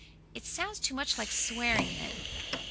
It sounds too much like swearing then."